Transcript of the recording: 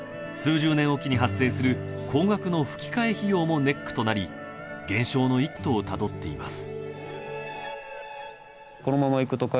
数十年おきに発生する高額のふき替え費用もネックとなり減少の一途をたどっています